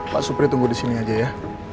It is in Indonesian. mas supri tunggu disini aja ya